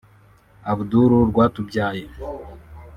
Abdoul Rwatubyaye